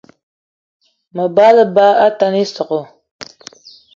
Mabe á lebá atane ísogò